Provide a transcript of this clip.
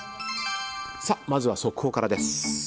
まずは速報からです。